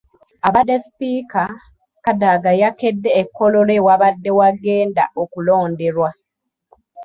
Abadde Sipiika, Kadaga yakedde e Kololo ewabadde wagenda okulonderwa.